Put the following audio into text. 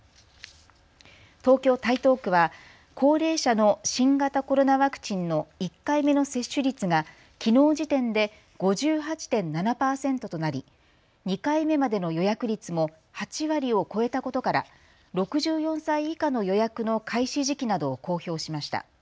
東京台東区は高齢者の新型コロナワクチンの１回目の接種率がきのう時点で５８．７％となり２回目までの予約率も８割を超えたことから６４歳以下の予約の開始時期などを公表しました。